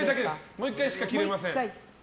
もう１回しか切れません。